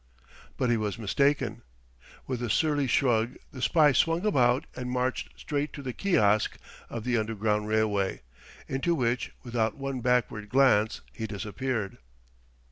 But he was mistaken. With a surly shrug the spy swung about and marched straight to the kiosk of the underground railway, into which, without one backward glance, he disappeared.